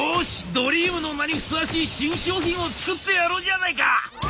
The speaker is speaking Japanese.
ドリームの名にふさわしい新商品を作ってやろうじゃないか！